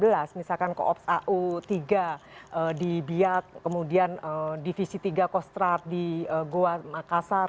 baru tahun dua ribu delapan belas misalkan koops au tiga di biak kemudian divisi tiga kostrad di goa makassar